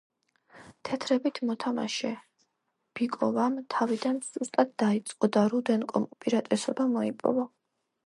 თეთრებით მოთამაშე ბიკოვამ თავიდან სუსტად დაიწყო და რუდენკომ უპირატესობა მოიპოვა.